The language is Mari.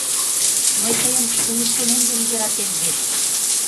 Мый тыйым уло чонем ден йӧратем вет.